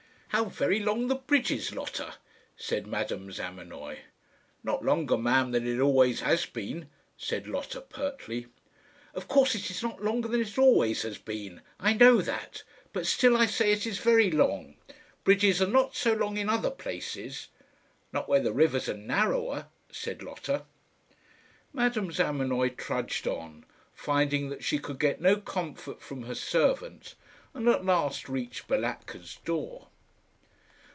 "How very long the bridge is, Lotta!" said Madame Zamenoy. "Not longer, ma'am, than it always has been," said Lotta, pertly. "Of course it is not longer than it always has been; I know that; but still I say it is very long. Bridges are not so long in other places." "Not where the rivers are narrower," said Lotta. Madame Zamenoy trudged on, finding that she could get no comfort from her servant, and at last reached Balatka's door.